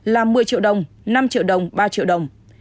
là một mươi triệu đồng năm triệu đồng ba triệu đồng